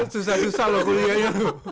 susah susah loh kuliahnya